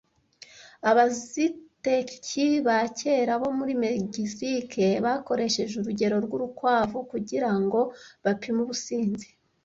Abaziteki ba kera bo muri Megizike bakoresheje urugero rw'urukwavu kugira ngo bapime Ubusinzi